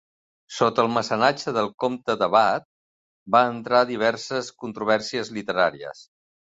Sota el mecenatge del comte de Bath va entrar a diverses controvèrsies literàries.